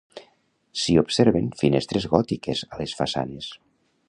S'hi observen finestres gòtiques a les façanes.